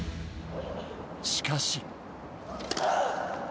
しかし。